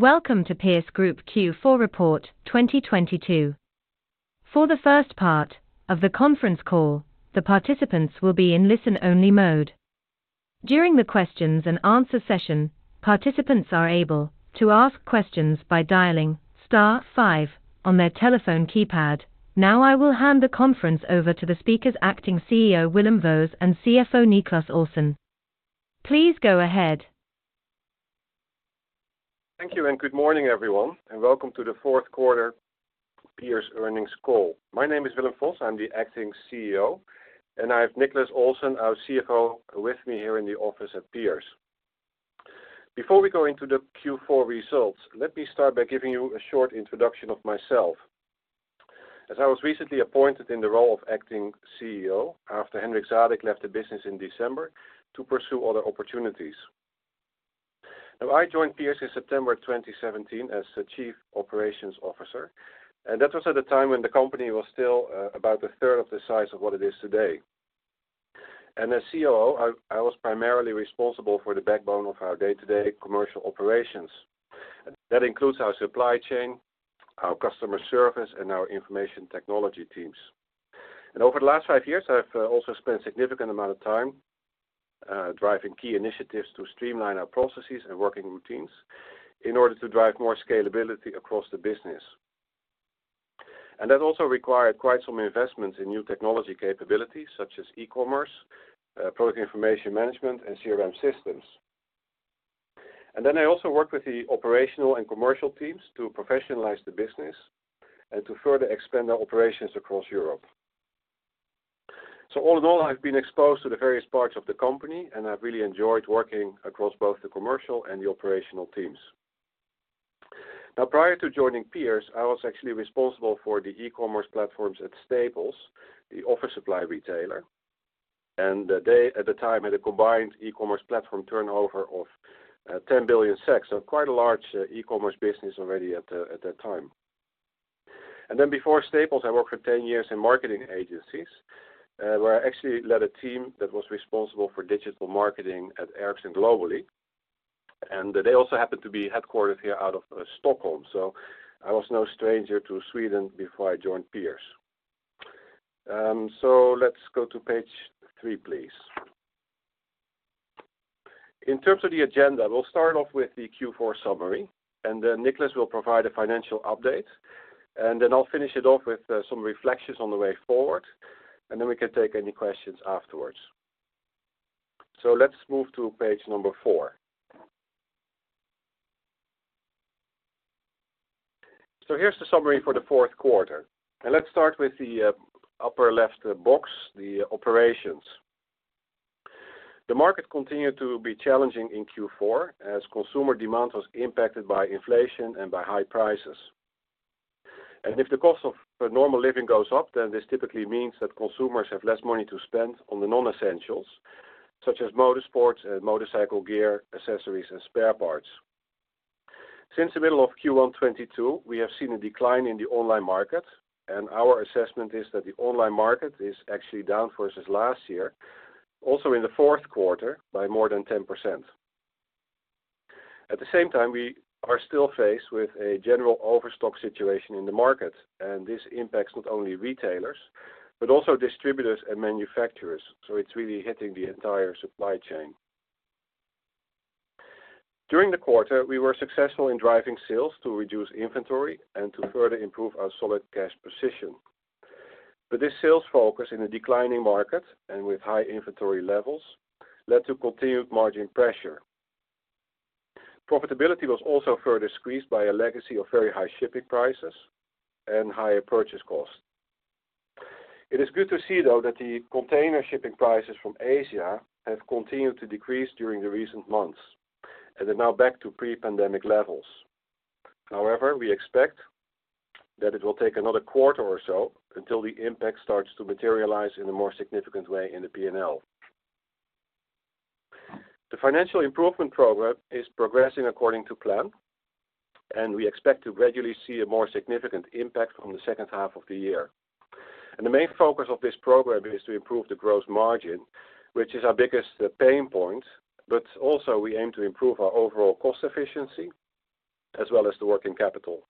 Welcome to Pierce Group Q4 report 2022. For the first part of the conference call, the participants will be in listen-only mode. During the questions and answer session, participants are able to ask questions by dialing star five on their telephone keypad. Now I will hand the conference over to the speakers, Acting CEO, Willem Vos, and CFO, Niclas Olsson. Please go ahead. Thank you, good morning, everyone, and welcome to the fourth quarter Pierce earnings call. My name is Willem Vos. I'm the acting CEO, and I have Niclas Olsson, our CFO, with me here in the office at Pierce. Before we go into the Q4 results, let me start by giving you a short introduction of myself. As I was recently appointed in the role of acting CEO after Henrik Zadig left the business in December to pursue other opportunities. I joined Pierce in September 2017 as the Chief Operations Officer, and that was at the time when the company was still about a third of the size of what it is today. As COO, I was primarily responsible for the backbone of our day-to-day commercial operations. That includes our supply chain, our customer service, and our information technology teams. Over the last five years, I've also spent significant amount of time driving key initiatives to streamline our processes and working routines in order to drive more scalability across the business. That also required quite some investments in new technology capabilities such as e-commerce, product information management, and CRM systems. I also worked with the operational and commercial teams to professionalize the business and to further expand our operations across Europe. All in all, I've been exposed to the various parts of the company, and I've really enjoyed working across both the commercial and the operational teams. Now, prior to joining Pierce Group, I was actually responsible for the e-commerce platforms at Staples, the office supply retailer. They, at the time, had a combined e-commerce platform turnover of 10 billion. Quite a large e-commerce business already at that time. Before Staples, I worked for 10 years in marketing agencies, where I actually led a team that was responsible for digital marketing at Ericsson globally. They also happened to be headquartered here out of Stockholm. I was no stranger to Sweden before I joined Pierce. Let's go to page three, please. In terms of the agenda, we'll start off with the Q4 summary. Niclas will provide a financial update. I'll finish it off with some reflections on the way forward. We can take any questions afterwards. Let's move to page number four. Here's the summary for the fourth quarter. Let's start with the upper left box, the operations. The market continued to be challenging in Q4 as consumer demand was impacted by inflation and by high prices. If the cost of normal living goes up, then this typically means that consumers have less money to spend on the non-essentials, such as motor sports, motorcycle gear, accessories, and spare parts. Since the middle of Q1 2022, we have seen a decline in the online market, our assessment is that the online market is actually down versus last year, also in the fourth quarter by more than 10%. At the same time, we are still faced with a general overstock situation in the market, and this impacts not only retailers, but also distributors and manufacturers. It's really hitting the entire supply chain. During the quarter, we were successful in driving sales to reduce inventory and to further improve our solid cash position. This sales focus in a declining market and with high inventory levels led to continued margin pressure. Profitability was also further squeezed by a legacy of very high shipping prices and higher purchase costs. It is good to see, though, that the container shipping prices from Asia have continued to decrease during the recent months and are now back to pre-pandemic levels. However, we expect that it will take another quarter or so until the impact starts to materialize in a more significant way in the P&L. The financial improvement program is progressing according to plan, and we expect to gradually see a more significant impact from the second half of the year. The main focus of this program is to improve the gross margin, which is our biggest pain point, but also we aim to improve our overall cost efficiency as well as the working capital.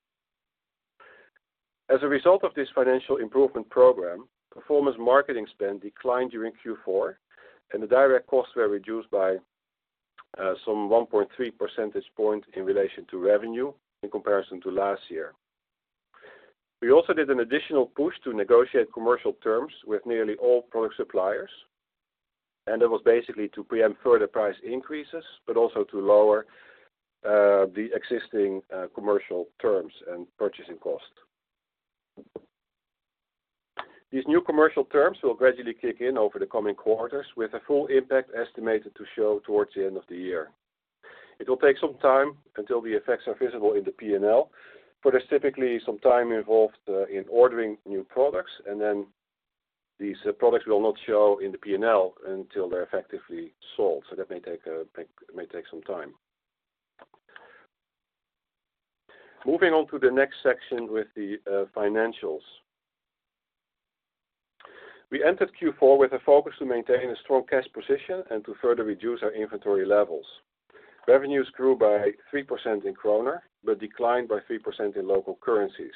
As a result of this financial improvement program, performance marketing spend declined during Q4, and the direct costs were reduced by some 1.3 percentage point in relation to revenue in comparison to last year. We also did an additional push to negotiate commercial terms with nearly all product suppliers, and that was basically to preempt further price increases, but also to lower the existing commercial terms and purchasing costs. These new commercial terms will gradually kick in over the coming quarters with a full impact estimated to show towards the end of the year. It will take some time until the effects are visible in the P&L, but there's typically some time involved in ordering new products, and then these products will not show in the P&L until they're effectively sold. That may take some time. Moving on to the next section with the financials. We entered Q4 with a focus to maintain a strong cash position and to further reduce our inventory levels. Revenues grew by 3% in SEK, but declined by 3% in local currencies.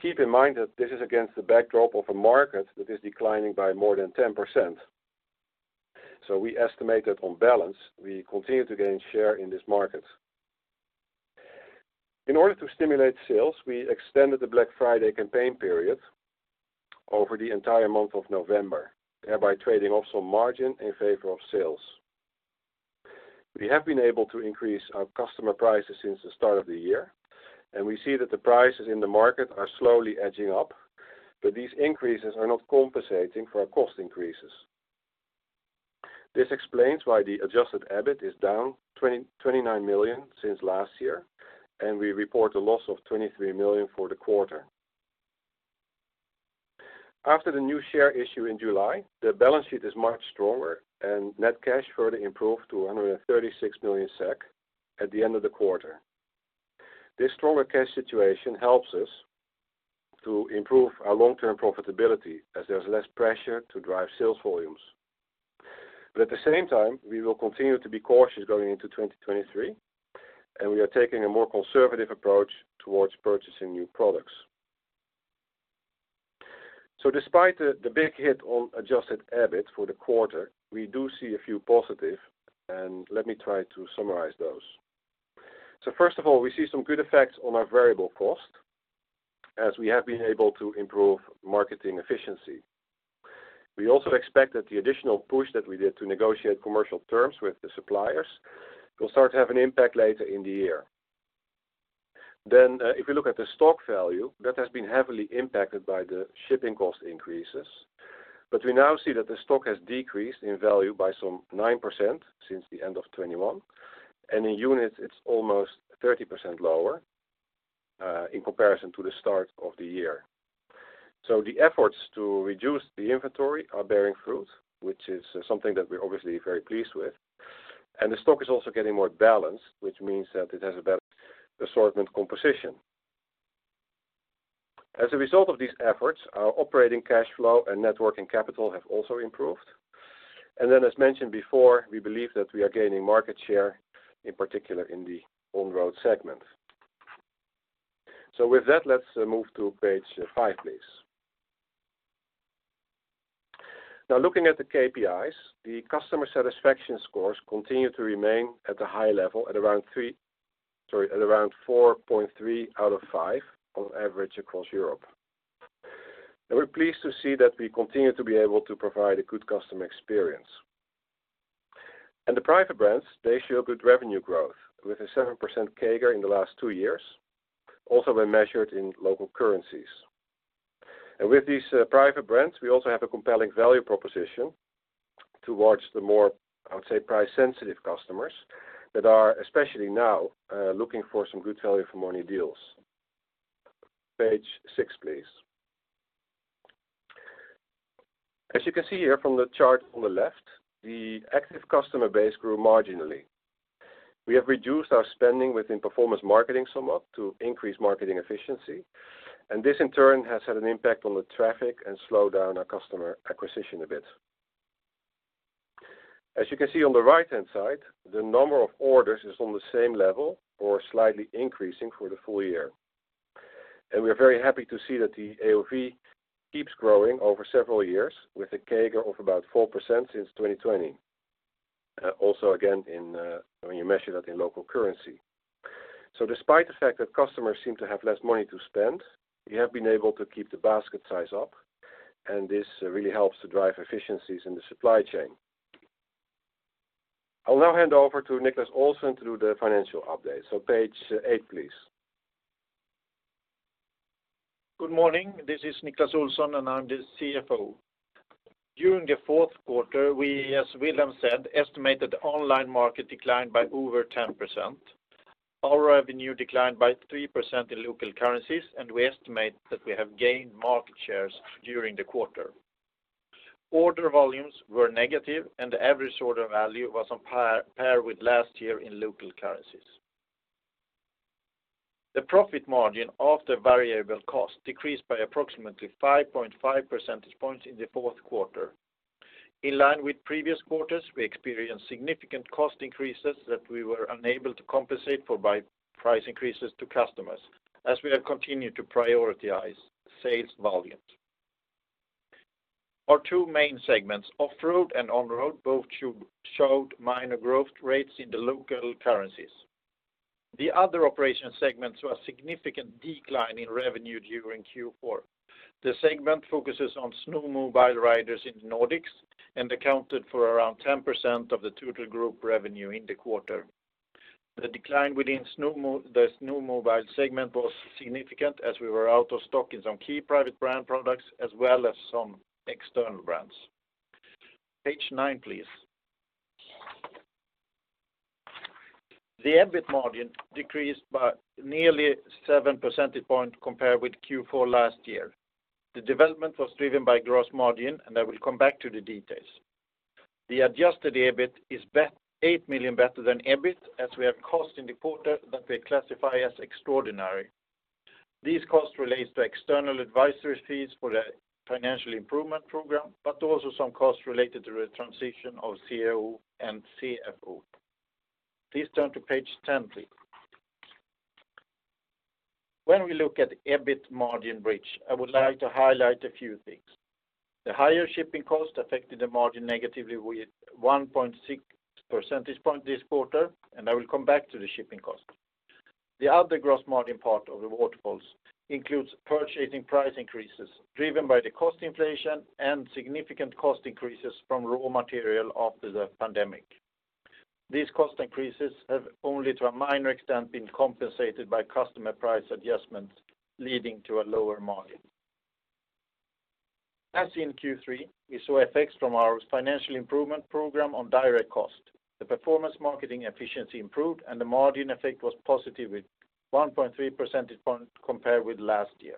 Keep in mind that this is against the backdrop of a market that is declining by more than 10%. We estimate that on balance, we continue to gain share in this market. In order to stimulate sales, we extended the Black Friday campaign period over the entire month of November, thereby trading off some margin in favor of sales. We have been able to increase our customer prices since the start of the year, and we see that the prices in the market are slowly edging up, but these increases are not compensating for our cost increases. This explains why the adjusted EBIT is down 29 million since last year. We report a loss of 23 million for the quarter. After the new share issue in July, the balance sheet is much stronger. Net cash further improved to 136 million SEK at the end of the quarter. This stronger cash situation helps us to improve our long-term profitability as there's less pressure to drive sales volumes. At the same time, we will continue to be cautious going into 2023. We are taking a more conservative approach towards purchasing new products. Despite the big hit on adjusted EBIT for the quarter, we do see a few positive. Let me try to summarize those. First of all, we see some good effects on our variable cost as we have been able to improve marketing efficiency. We also expect that the additional push that we did to negotiate commercial terms with the suppliers will start to have an impact later in the year. If you look at the stock value, that has been heavily impacted by the shipping cost increases, but we now see that the stock has decreased in value by some 9% since the end of 2021. In units, it's almost 30% lower in comparison to the start of the year. The efforts to reduce the inventory are bearing fruit, which is something that we're obviously very pleased with. The stock is also getting more balanced, which means that it has a better assortment composition. As a result of these efforts, our operating cash flow and net working capital have also improved. As mentioned before, we believe that we are gaining market share, in particular in the on-road segment. Let's move to page five, please. Now, looking at the KPIs, the customer satisfaction scores continue to remain at a high level at around 4.3 out of 5 on average across Europe. We're pleased to see that we continue to be able to provide a good customer experience. The private brands, they show good revenue growth with a 7% CAGR in the last two years, also when measured in local currencies. With these private brands, we also have a compelling value proposition towards the more, I would say, price-sensitive customers that are especially now looking for some good value for money deals. Page six, please. As you can see here from the chart on the left, the active customer base grew marginally. We have reduced our spending within performance marketing somewhat to increase marketing efficiency, and this in turn has had an impact on the traffic and slowed down our customer acquisition a bit. As you can see on the right-hand side, the number of orders is on the same level or slightly increasing for the full year. We are very happy to see that the AOV keeps growing over several years with a CAGR of about 4% since 2020. Also again in, when you measure that in local currency. Despite the fact that customers seem to have less money to spend, we have been able to keep the basket size up, and this really helps to drive efficiencies in the supply chain. I'll now hand over to Niclas Olsson to do the financial update. Page eight, please. Good morning. This is Niclas Olsson, and I'm the CFO. During the fourth quarter, we, as Willem said, estimated the online market declined by over 10%. Our revenue declined by 3% in local currencies, and we estimate that we have gained market shares during the quarter. Order volumes were negative, and the average order value was on par with last year in local currencies. The profit margin after variable cost decreased by approximately 5.5 percentage points in the fourth quarter. In line with previous quarters, we experienced significant cost increases that we were unable to compensate for by price increases to customers, as we have continued to prioritize sales volumes. Our two main segments, off-road and on-road, both showed minor growth rates in the local currencies. The other operation segments saw a significant decline in revenue during Q4. The segment focuses on snowmobile riders in the Nordics and accounted for around 10% of the total group revenue in the quarter. The decline within the snowmobile segment was significant as we were out of stock in some key private brand products as well as some external brands. Page nine, please. The EBIT margin decreased by nearly seven percentage points compared with Q4 last year. The development was driven by gross margin. I will come back to the details. The adjusted EBIT is 8 million better than EBIT as we have costs in the quarter that we classify as extraordinary. These costs relates to external advisory fees for the financial improvement program. Also some costs related to the transition of CAO and CFO. Please turn to page 10, please. When we look at EBIT margin bridge, I would like to highlight a few things. The higher shipping costs affected the margin negatively with 1.6 percentage point this quarter. I will come back to the shipping cost. The other gross margin part of the waterfalls includes purchasing price increases driven by the cost inflation and significant cost increases from raw material after the pandemic. These cost increases have only to a minor extent been compensated by customer price adjustments, leading to a lower margin. As in Q3, we saw effects from our financial improvement program on direct cost. The performance marketing efficiency improved. The margin effect was positive with 1.3 percentage point compared with last year.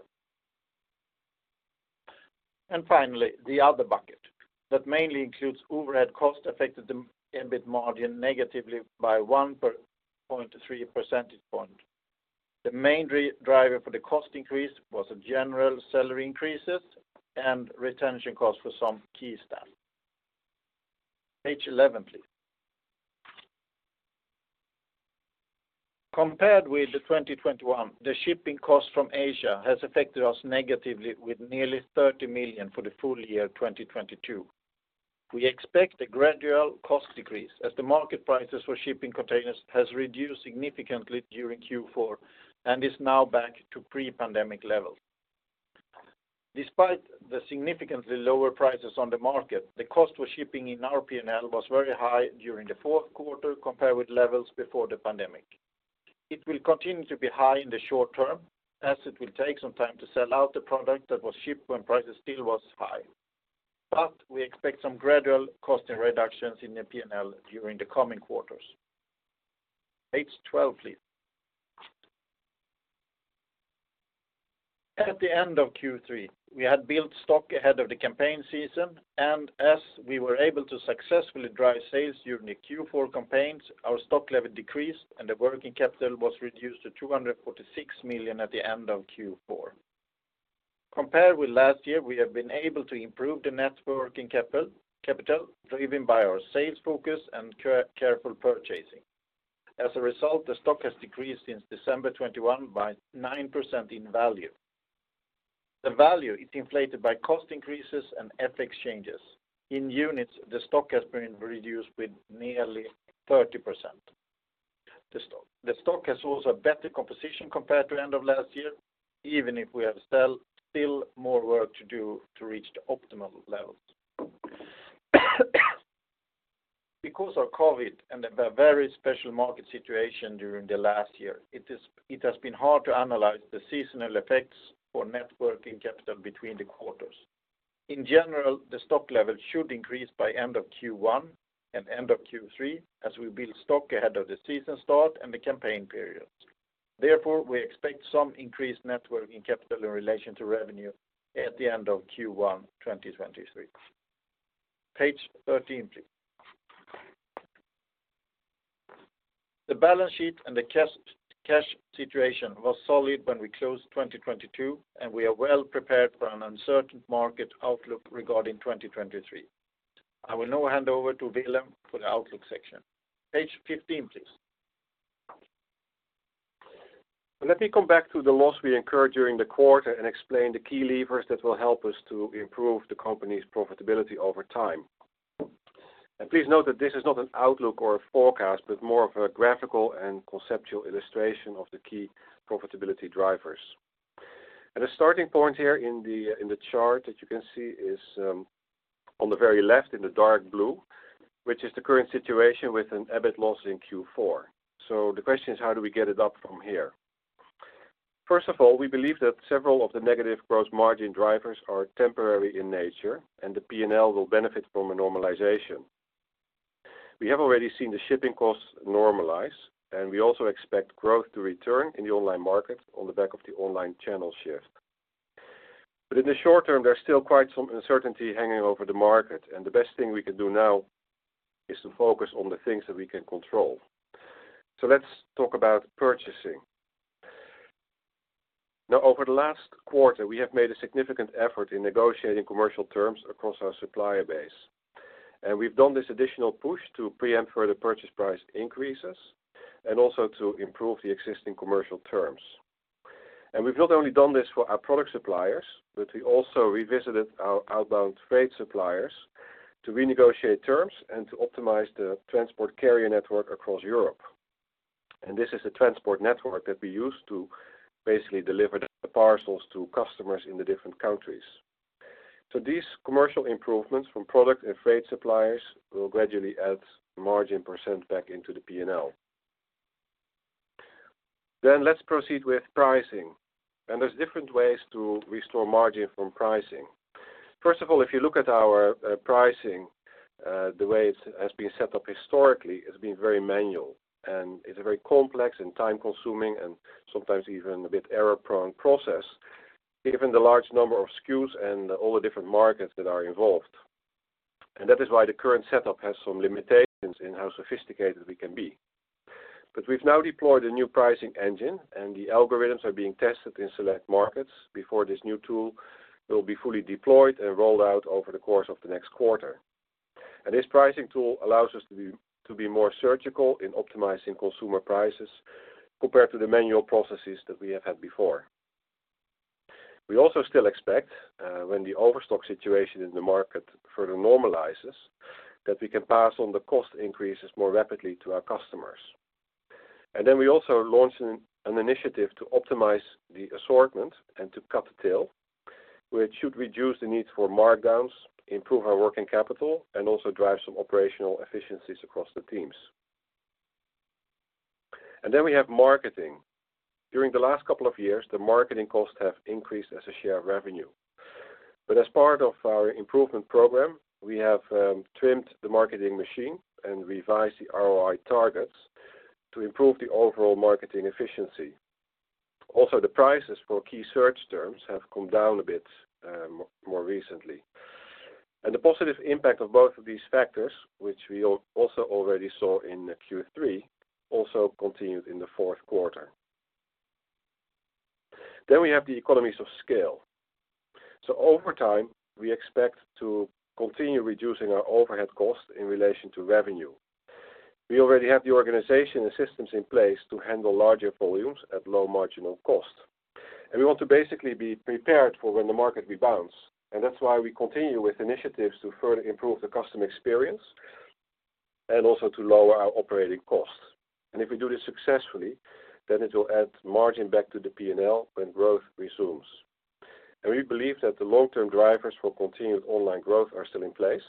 Finally, the other bucket that mainly includes overhead costs affected the EBIT margin negatively by 1.3 percentage point. The main driver for the cost increase was a general salary increases and retention costs for some key staff. Page eleven, please. Compared with 2021, the shipping cost from Asia has affected us negatively with nearly 30 million for the full year 2022. We expect a gradual cost decrease as the market prices for shipping containers has reduced significantly during Q4 and is now back to pre-pandemic levels. Despite the significantly lower prices on the market, the cost for shipping in our PNL was very high during the fourth quarter compared with levels before the pandemic. It will continue to be high in the short term, as it will take some time to sell out the product that was shipped when prices still was high. We expect some gradual cost reductions in the PNL during the coming quarters. Page 12, please. At the end of Q3, we had built stock ahead of the campaign season. As we were able to successfully drive sales during the Q4 campaigns, our stock level decreased and the working capital was reduced to 246 million at the end of Q4. Compared with last year, we have been able to improve the net working capital driven by our sales focus and careful purchasing. As a result, the stock has decreased since December 2021 by 9% in value. The value is inflated by cost increases and FX changes. In units, the stock has been reduced with nearly 30%. The stock has also a better composition compared to end of last year, even if we have still more work to do to reach the optimal levels. Because of COVID and the very special market situation during the last year, it has been hard to analyze the seasonal effects for net working capital between the quarters. In general, the stock levels should increase by end of Q1 and end of Q3 as we build stock ahead of the season start and the campaign periods. We expect some increased net working capital in relation to revenue at the end of Q1 2023. Page 13, please. The balance sheet and the cash situation was solid when we closed 2022. We are well prepared for an uncertain market outlook regarding 2023. I will now hand over to Willem for the outlook section. Page 15, please. Let me come back to the loss we incurred during the quarter and explain the key levers that will help us to improve the company's profitability over time. Please note that this is not an outlook or a forecast, but more of a graphical and conceptual illustration of the key profitability drivers. A starting point here in the chart that you can see is on the very left in the dark blue, which is the current situation with an EBIT loss in Q4. The question is, how do we get it up from here? First of all, we believe that several of the negative gross margin drivers are temporary in nature, and the PNL will benefit from a normalization. We have already seen the shipping costs normalize, and we also expect growth to return in the online market on the back of the online channel shift. In the short term, there's still quite some uncertainty hanging over the market, and the best thing we can do now is to focus on the things that we can control. Let's talk about purchasing. Now, over the last quarter, we have made a significant effort in negotiating commercial terms across our supplier base. We've done this additional push to preempt further purchase price increases and also to improve the existing commercial terms. We've not only done this for our product suppliers, but we also revisited our outbound freight suppliers to renegotiate terms and to optimize the transport carrier network across Europe. This is a transport network that we use to basically deliver the parcels to customers in the different countries. These commercial improvements from product and freight suppliers will gradually add margin % back into the PNL. Let's proceed with pricing. There's different ways to restore margin from pricing. First of all, if you look at our pricing, the way it has been set up historically, it's been very manual, and it's a very complex and time-consuming and sometimes even a bit error-prone process. Given the large number of SKUs and all the different markets that are involved. That is why the current setup has some limitations in how sophisticated we can be. We've now deployed a new pricing engine, the algorithms are being tested in select markets before this new tool will be fully deployed and rolled out over the course of the next quarter. This pricing tool allows us to be more surgical in optimizing consumer prices compared to the manual processes that we have had before. We also still expect, when the overstock situation in the market further normalizes, that we can pass on the cost increases more rapidly to our customers. We also are launching an initiative to optimize the assortment and to cut the tail, which should reduce the need for markdowns, improve our working capital, and also drive some operational efficiencies across the teams. We have marketing. During the last couple of years, the marketing costs have increased as a share of revenue. As part of our improvement program, we have trimmed the marketing machine and revised the ROI targets to improve the overall marketing efficiency. Also, the prices for key search terms have come down a bit more recently. The positive impact of both of these factors, which we also already saw in Q3, also continued in the fourth quarter. We have the economies of scale. Over time, we expect to continue reducing our overhead costs in relation to revenue. We already have the organization and systems in place to handle larger volumes at low marginal cost. We want to basically be prepared for when the market rebounds. That's why we continue with initiatives to further improve the customer experience and also to lower our operating costs. If we do this successfully, then it will add margin back to the P&L when growth resumes. We believe that the long-term drivers for continued online growth are still in place,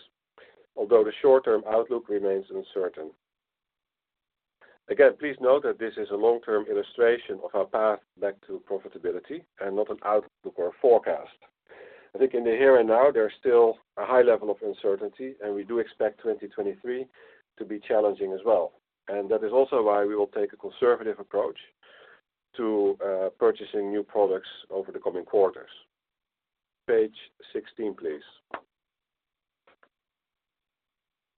although the short-term outlook remains uncertain. Again, please note that this is a long-term illustration of our path back to profitability and not an outlook or a forecast. I think in the here and now, there's still a high level of uncertainty, and we do expect 2023 to be challenging as well. That is also why we will take a conservative approach to purchasing new products over the coming quarters. Page 16, please.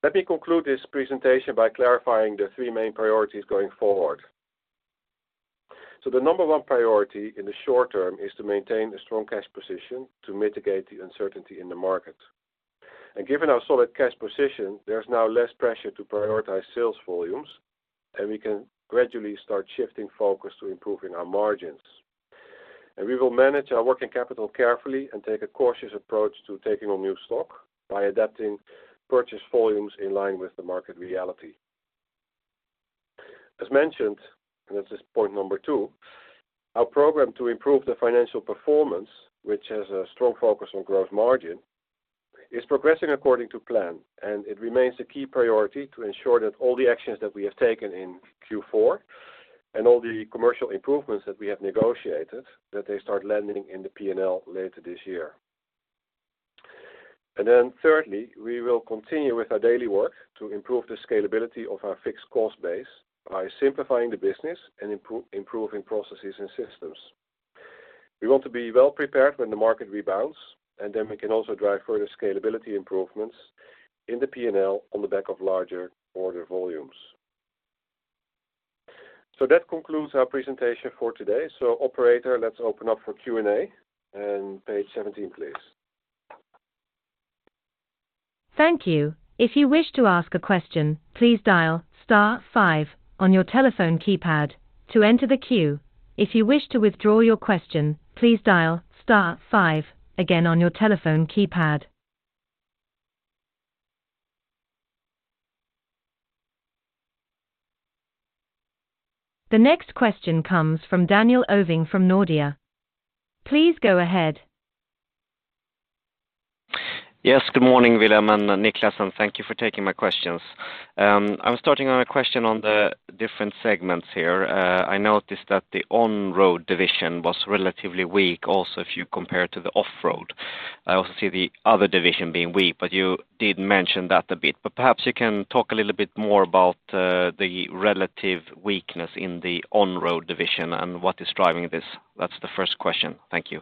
Let me conclude this presentation by clarifying the 3 main priorities going forward. The number one priority in the short term is to maintain a strong cash position to mitigate the uncertainty in the market. Given our solid cash position, there's now less pressure to prioritize sales volumes, and we can gradually start shifting focus to improving our margins. We will manage our working capital carefully and take a cautious approach to taking on new stock by adapting purchase volumes in line with the market reality. As mentioned, and this is point number two, our program to improve the financial performance, which has a strong focus on growth margin, is progressing according to plan, and it remains a key priority to ensure that all the actions that we have taken in Q4 and all the commercial improvements that we have negotiated, that they start landing in the P&L later this year. Then thirdly, we will continue with our daily work to improve the scalability of our fixed cost base by simplifying the business and improving processes and systems. We want to be well prepared when the market rebounds, and then we can also drive further scalability improvements in the P&L on the back of larger order volumes. That concludes our presentation for today. Operator, let's open up for Q&A and page 17, please. Thank you. If you wish to ask a question, please dial star five on your telephone keypad to enter the queue. If you wish to withdraw your question, please dial star five again on your telephone keypad. The next question comes from Daniel Ovin from Nordea. Please go ahead. Yes, good morning, Willem and Niclas, thank you for taking my questions. I'm starting on a question on the different segments here. I noticed that the on-road division was relatively weak also, if you compare to the off-road. I also see the other division being weak, but you did mention that a bit. Perhaps you can talk a little bit more about the relative weakness in the on-road division and what is driving this. That's the first question. Thank you.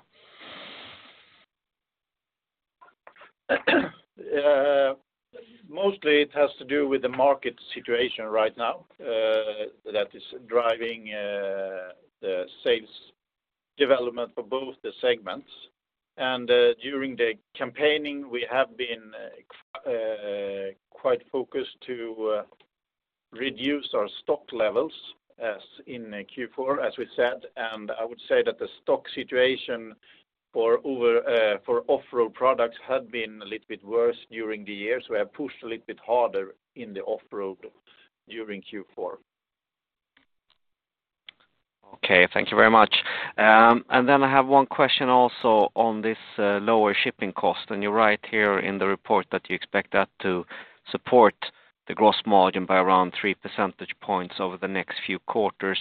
Mostly it has to do with the market situation right now, that is driving the sales development for both the segments. During the campaigning, we have been quite focused to reduce our stock levels as in Q4, as we said. I would say that the stock situation for off-road products had been a little bit worse during the year, so we have pushed a little bit harder in the off-road during Q4. Okay. Thank you very much. Then I have one question also on this lower shipping cost. You write here in the report that you expect that to support the gross margin by around three percentage points over the next few quarters.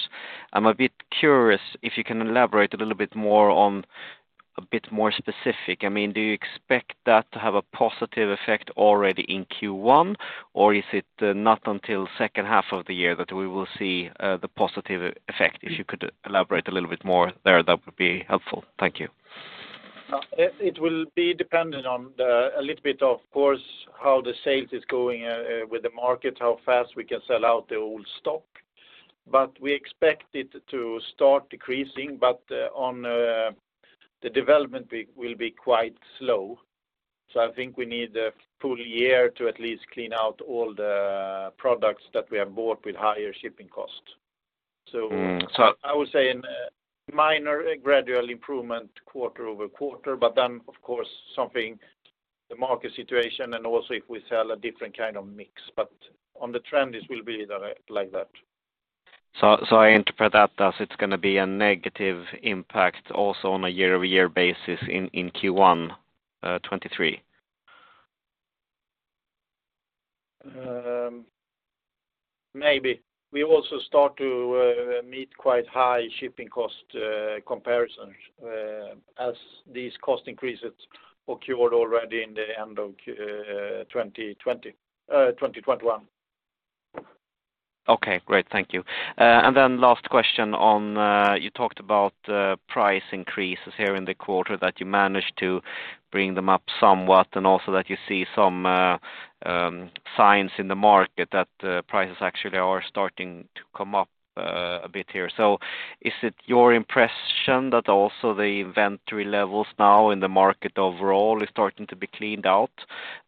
I'm a bit curious if you can elaborate a little bit more on a bit more specific. I mean, do you expect that to have a positive effect already in Q1? Or is it not until second half of the year that we will see the positive effect? If you could elaborate a little bit more there, that would be helpful. Thank you. It will be dependent on the, a little bit of course, how the sales is going with the market, how fast we can sell out the old stock. We expect it to start decreasing, but on the development will be quite slow. I think we need a full year to at least clean out all the products that we have bought with higher shipping costs. Mm. I would say in minor gradual improvement quarter-over-quarter, but then of course something, the market situation and also if we sell a different kind of mix, but on the trend, it will be like that. I interpret that as it's gonna be a negative impact also on a year-over-year basis in Q1, 2023? Maybe. We also start to meet quite high shipping cost comparisons as these cost increases occurred already in the end of 2020 2021. Okay, great. Thank you. Last question on, you talked about price increases here in the quarter, that you managed to bring them up somewhat, and also that you see some signs in the market that prices actually are starting to come up a bit here. Is it your impression that also the inventory levels now in the market overall is starting to be cleaned out?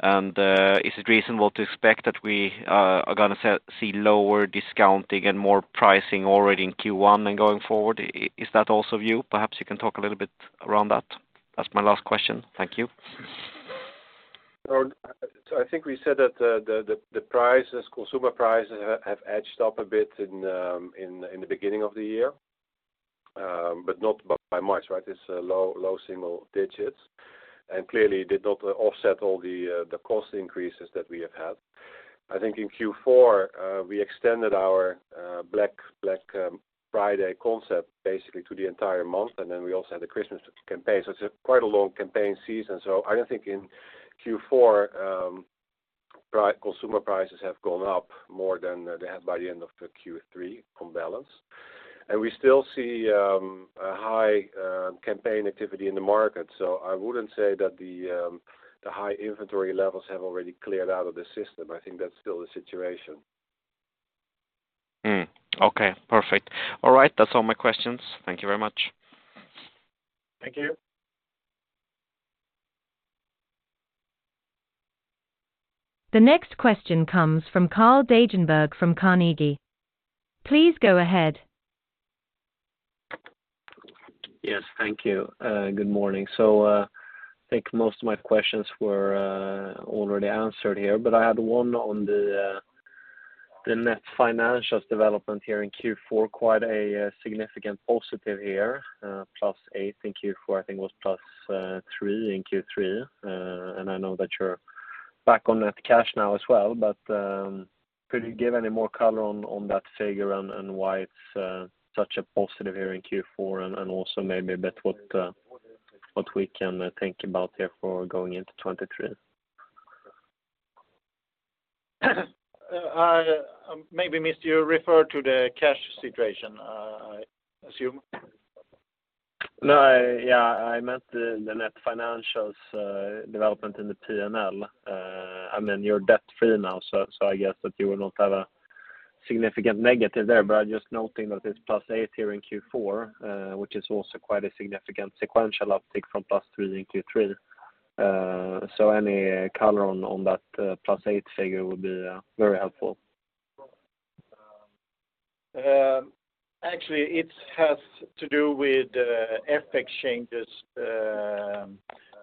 Is it reasonable to expect that we are gonna see lower discounting and more pricing already in Q1 and going forward? Is that also you? Perhaps you can talk a little bit around that. That's my last question. Thank you. I think we said that the prices, consumer prices have edged up a bit in the beginning of the year, but not by much, right? It's low single digits, and clearly did not offset all the cost increases that we have had. I think in Q4, we extended our Black Friday concept basically to the entire month, and then we also had the Christmas campaign. It's a quite a long campaign season. I don't think in Q4, consumer prices have gone up more than they have by the end of Q3 on balance. We still see a high campaign activity in the market. I wouldn't say that the high inventory levels have already cleared out of the system. I think that's still the situation. Okay, perfect. All right, that's all my questions. Thank you very much. Thank you. The next question comes from Carl Deijenberg from Carnegie. Please go ahead. Yes, thank you. Good morning. I think most of my questions were already answered here, but I had one on the net financials development here in Q4, quite a significant positive here, +8 million in Q4, I think was +3 million in Q3. I know that you're back on net cash now as well, but, could you give any more color on that figure and why it's such a positive here in Q4 and also maybe a bit what we can think about here for going into 2023? Maybe, mister, you refer to the cash situation, I assume. No, I, yeah, I meant the net financials development in the P&L. I mean, you're debt-free now, so I guess that you will not have a significant negative there, but I'm just noting that it's +8 SEK here in Q4, which is also quite a significant sequential uptick from +3 SEK in Q3. Any color on that +8 SEK figure would be very helpful. Actually, it has to do with FX changes,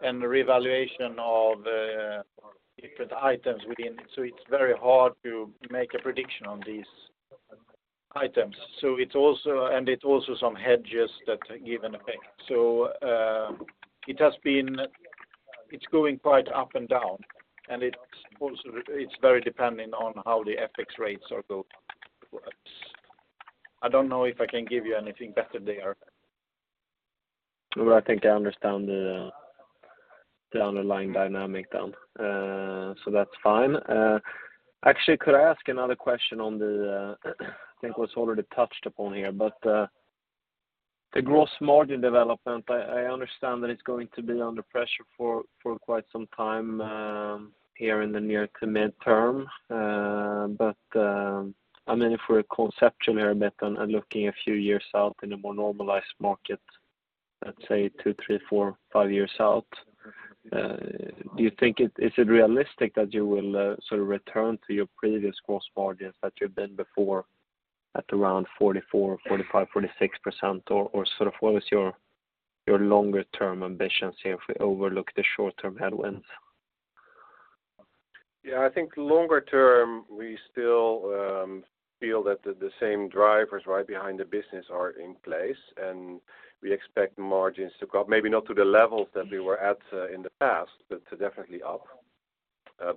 and revaluation of different items within. It's very hard to make a prediction on these items. It's also some hedges that give an effect. It has been, it's going quite up and down, and it's also, it's very dependent on how the FX rates are going. I don't know if I can give you anything better there. I think I understand the underlying dynamic then. That's fine. Actually, could I ask another question on the, I think was already touched upon here, but the gross margin development, I understand that it's going to be under pressure for quite some time here in the near to mid-term. I mean, if we're conceptually a bit on looking a few years out in a more normalized market, let's say two, three, four, five years out, do you think it, is it realistic that you will sort of return to your previous gross margins that you've been before at around 44%, 45%, 46%? Or sort of what is your longer term ambitions here if we overlook the short term headwinds? Yeah, I think longer term, we still feel that the same drivers right behind the business are in place, we expect margins to go up, maybe not to the levels that we were at, in the past, but definitely up.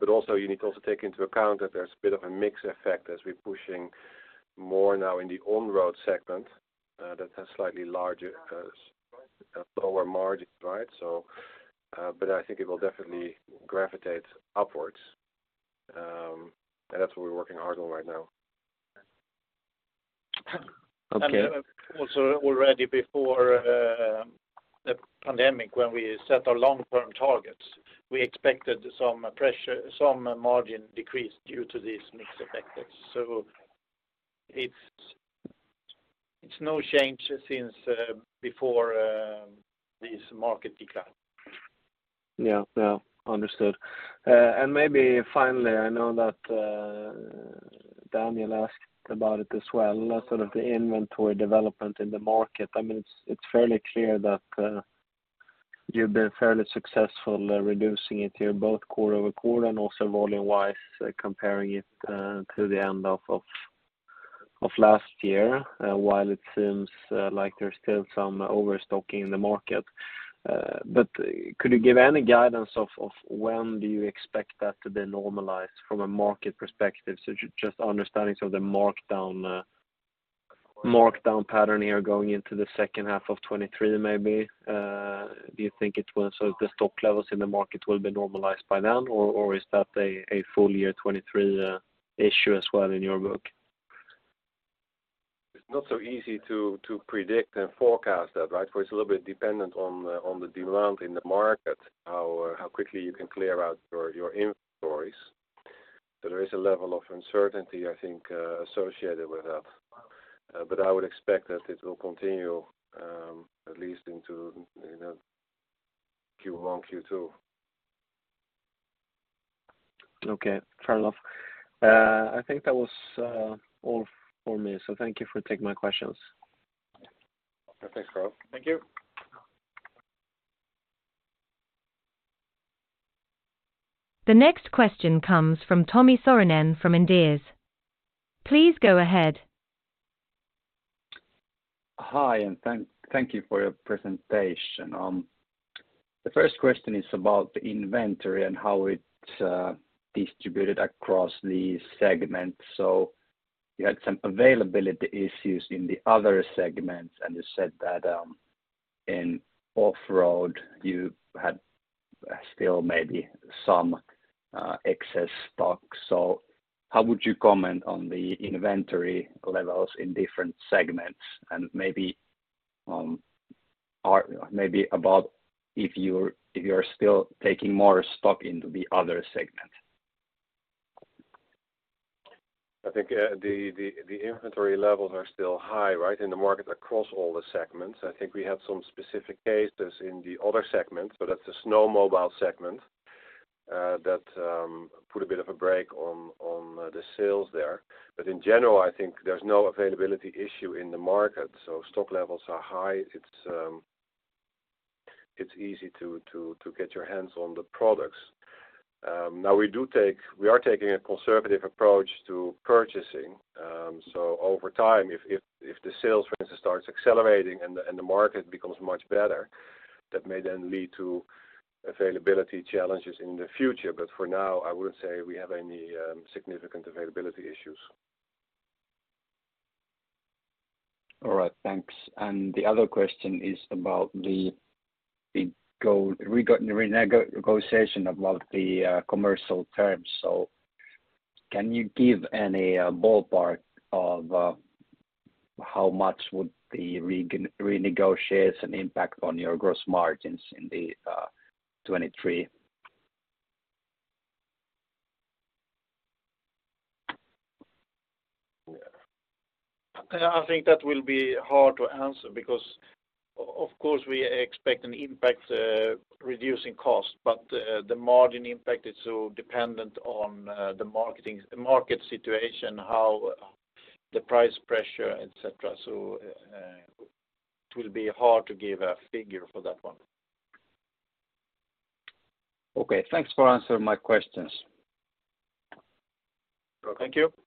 Also you need to also take into account that there's a bit of a mix effect as we're pushing more now in the on-road segment, that has slightly larger, lower margin, right? I think it will definitely gravitate upwards. That's what we're working hard on right now. Also already before, the pandemic when we set our long term targets, we expected some pressure, some margin decrease due to these mix effects. It's no change since, before, this market decline. Yeah. No, understood. Maybe finally, I know that Daniel asked about it as well, sort of the inventory development in the market. I mean, it's fairly clear that you've been fairly successful reducing it here both quarter-over-quarter and also volume-wise, comparing it to the end of last year, while it seems like there's still some overstocking in the market. Could you give any guidance of when do you expect that to be normalized from a market perspective? Just understanding sort of the markdown pattern here going into the second half of 2023 maybe, do you think the stock levels in the market will be normalized by then, or is that a full year 2023 issue as well in your book? It's not so easy to predict and forecast that, right? For it's a little bit dependent on the demand in the market, how quickly you can clear out your inventories. There is a level of uncertainty, I think associated with that. I would expect that it will continue at least into, you know, Q1, Q2. Okay. Fair enough. I think that was all for me, so thank you for taking my questions. Okay. Thanks, Carl. Thank you. The next question comes from Tomi Soronen from Inderes. Please go ahead. Hi, and thank you for your presentation. The first question is about the inventory and how it's distributed across the segments. You had some availability issues in the other segments, and you said that in off-road you had still maybe some excess stock. How would you comment on the inventory levels in different segments? Maybe, or maybe about if you're still taking more stock into the other segment. I think, the inventory levels are still high, right, in the market across all the segments. I think we have some specific cases in the other segments, but that's the snowmobile segment, that put a bit of a break on the sales there. In general, I think there's no availability issue in the market, so stock levels are high. It's easy to get your hands on the products. Now we are taking a conservative approach to purchasing. Over time, if the sales, for instance, starts accelerating and the market becomes much better, that may then lead to availability challenges in the future. For now, I wouldn't say we have any significant availability issues. All right. Thanks. The other question is about the renegotiation about the commercial terms. Can you give any ballpark of how much would the renegotiation impact on your gross margins in the 2023? I think that will be hard to answer because of course we expect an impact, reducing cost, but the margin impact is so dependent on the market situation, how the price pressure, et cetera. It will be hard to give a figure for that one. Okay. Thanks for answering my questions. Thank you.